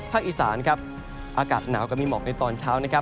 ภาคอีสานอากาศหนาวก็มีหมอกในตอนเช้า